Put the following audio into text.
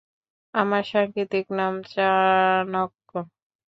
আমার সাংকেতিক নাম চাণক্য।